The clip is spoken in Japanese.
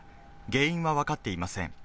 原因は分かっていません。